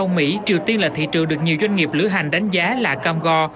ông mỹ triều tiên là thị trường được nhiều doanh nghiệp lưu hành đánh giá là cam go